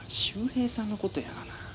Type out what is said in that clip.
秀平さんのことやがな。